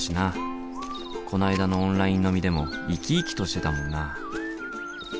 こないだのオンライン飲みでも生き生きとしてたもんな。